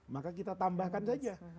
maka kita tambahkan saja